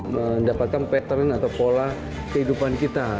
mendapatkan pattern atau pola kehidupan kita